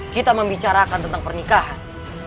kita membicarakan tentang pernikahan